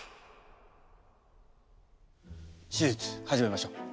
手術始めましょう。